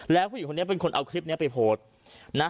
แล้วผู้หญิงคนนี้เป็นคนเอาคลิปนี้ไปโพสต์นะ